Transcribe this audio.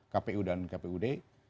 kpu dan kpud